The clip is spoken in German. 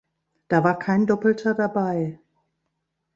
Da war kein Doppelter dabei.